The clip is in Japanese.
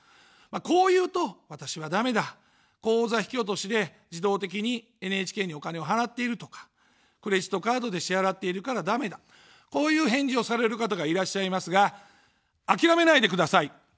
こう言うと、私はだめだ、口座引き落としで自動的にＮＨＫにお金を払っているとか、クレジットカードで支払ってるからだめだ、こういう返事をされる方がいらっしゃいますが、諦めないでください。